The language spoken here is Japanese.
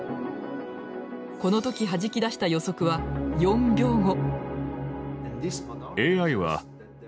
この時はじき出した予測は４秒後。